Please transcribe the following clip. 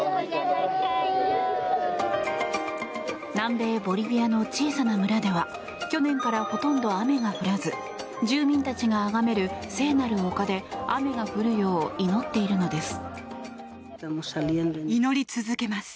南米ボリビアの小さな村では去年からほとんど雨が降らず住民たちがあがめる聖なる丘で雨が降るよう祈っているのです。